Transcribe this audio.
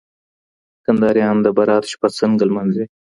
کندهاریان د برات شپه څنګه لمانځي؟